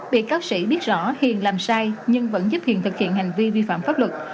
bị bác sĩ biết rõ hiền làm sai nhưng vẫn giúp hiền thực hiện hành vi vi phạm pháp luật